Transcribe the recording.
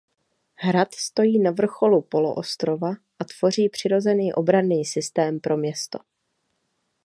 Hrad stojí na vrcholu poloostrova a tvoří přirozený obranný systém pro město.